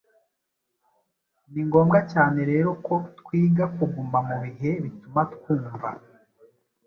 Ni ngombwa cyane rero ko twiga kuguma mu bihe bituma twumva.